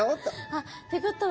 あっ！ってことは